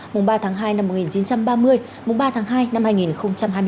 mùng ba tháng hai năm một nghìn chín trăm ba mươi mùng ba tháng hai năm hai nghìn hai mươi bốn